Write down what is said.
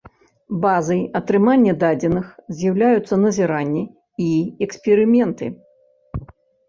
Базай атрымання дадзеных з'яўляюцца назіранні і эксперыменты.